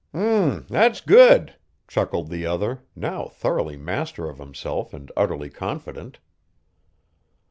"H'm, that's good," chuckled the other, now thoroughly master of himself and utterly confident.